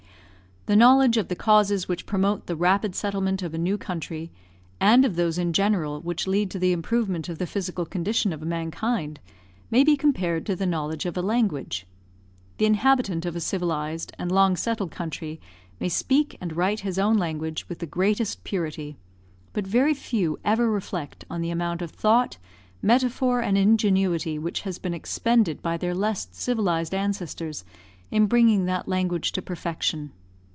The knowledge of the causes which promote the rapid settlement of a new country, and of those in general which lead to the improvement of the physical condition of mankind may be compared to the knowledge of a language. The inhabitant of a civilised and long settled country may speak and write his own language with the greatest purity, but very few ever reflect on the amount of thought, metaphor, and ingenuity which has been expended by their less civilised ancestors in bringing that language to perfection.